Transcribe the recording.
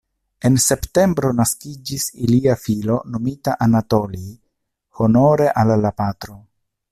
En septembro naskiĝis ilia filo nomita Anatolij, honore al la patro.